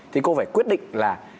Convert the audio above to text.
thì cô phải quyết định là